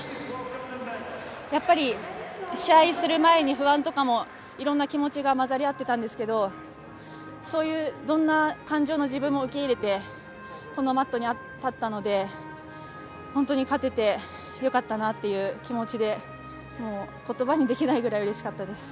やっぱり試合する前に不安とかも、いろんな気持ちが混ざり合ってたんですけど、そういうどんな感情の自分も受け入れて、このマットに立ったので、本当に勝ててよかったなっていう気持ちで、もうことばにできないぐらいうれしかったです。